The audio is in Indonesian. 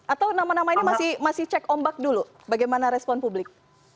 atau nama nama ini masih cek ombak dulu bagaimana respon publik